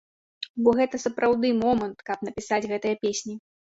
Бо гэта сапраўды момант, каб напісаць гэтыя песні.